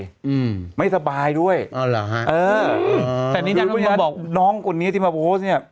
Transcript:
อืมไม่สบายด้วยเออเหรอฮะเออนังคนที่มาโพสต์เนี้ย